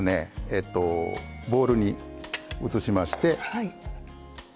えっとボウルに移しまして。